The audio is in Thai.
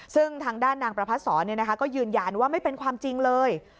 ซึ่งทางด้านนางประพัดศรก็ยืนยันว่าไม่เป็นความจริงเลย